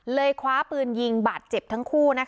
คว้าปืนยิงบาดเจ็บทั้งคู่